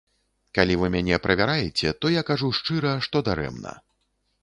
Калі вы мяне правяраеце, то кажу шчыра, што дарэмна.